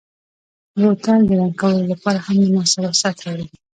بوتل د رنګ کولو لپاره هم مناسبه سطحه لري.